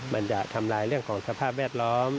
มันจะทำลายเรื่องของสภาพแวดล้อม